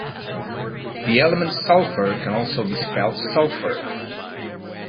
The element sulfur can also be spelled sulphur